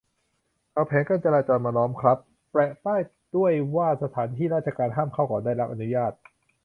เอาแผงกั้นจราจรมาล้อมครับ แปะป้ายด้วยว่าสถานที่ราชการห้ามเข้าก่อนได้รับอนุญาต